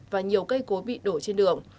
và nhiều cây cối bị đổ trên đường